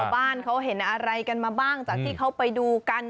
บ้านเขาเห็นอะไรกันมาบ้างจากที่เขาไปดูกัน